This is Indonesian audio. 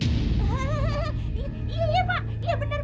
iya pak iya benar banget